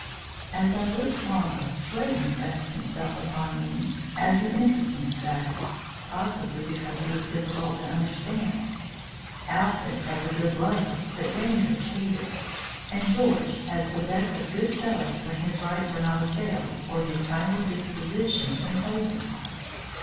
As I looked longer, Leighton impressed himself upon me as an interesting study possibly because he was difficult to understand; Alfred as a good lover but dangerous hater; and George as the best of good fellows when his rights were not assailed or his kindly disposition imposed upon.